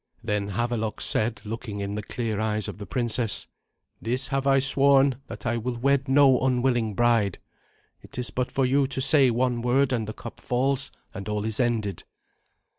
Then Havelok said, looking in the clear eyes of the princess, "This have I sworn, that I will wed no unwilling bride. It is but for you to say one word, and the cup falls, and all is ended."